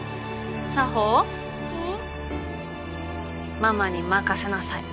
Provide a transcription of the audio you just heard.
ママに任せなさい。